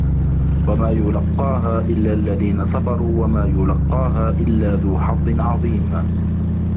وَمَا يُلَقَّاهَا إِلَّا الَّذِينَ صَبَرُوا وَمَا يُلَقَّاهَا إِلَّا ذُو حَظٍّ عَظِيمٍ